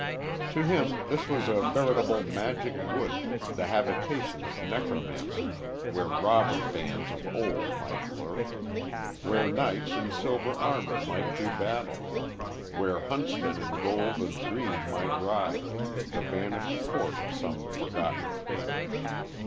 To him this was a veritable magic wood the habitation of necromancy where robber bands of old might lurk; where knights in silver armor might do battle; where huntsmen in gold and green might ride, the vanished court of some forgotten king.